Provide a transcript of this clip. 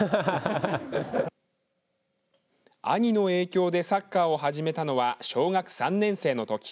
兄の影響でサッカーを始めたのは小学３年生の時。